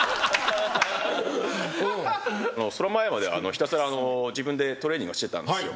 その前まではひたすら自分でトレーニングはしてたんですよ。